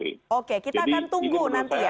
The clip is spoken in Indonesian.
oke kita akan tunggu nanti ya